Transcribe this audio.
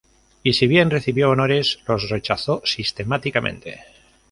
Y si bien recibió honores, los rechazó sistemáticamente.